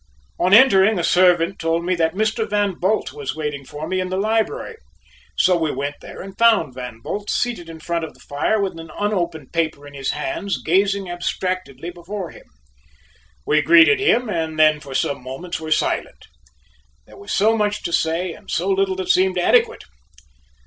On entering a servant told me that Mr. Van Bult was waiting for me in the library; so we went there and found Van Bult seated in front of the fire with an unopened paper in his hands gazing abstractedly before him. We greeted him and then for some moments were silent. There was so much to say and so little that seemed adequate.